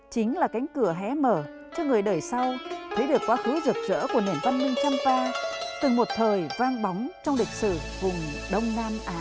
chính là cánh cửa hé mở cho người đời sau thấy được quá khứ rực rỡ của nền văn minh champa từng một thời vang bóng trong lịch sử vùng đông nam á